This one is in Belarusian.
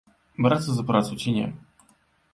Брацца за працу ці не?